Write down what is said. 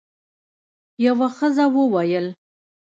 یوه ښځه وویل: